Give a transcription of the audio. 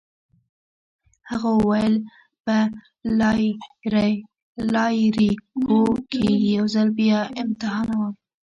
هغه وویل: په لایریکو کي يې یو ځل بیا امتحانوم.